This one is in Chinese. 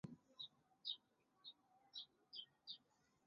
通常是美金做为单位。